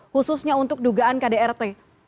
khususnya untuk dugaan kdrt